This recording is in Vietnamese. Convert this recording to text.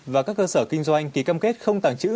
và các cơ sở kinh doanh ký cam kết không tàng trữ